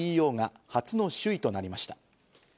ＣＥＯが初の首位となりました。